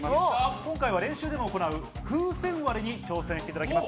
今回は練習でも行う風船割りに挑戦していただきます。